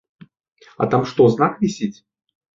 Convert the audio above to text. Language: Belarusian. А там што, знак вісіць?